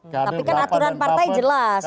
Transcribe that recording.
tapi kan aturan partai jelas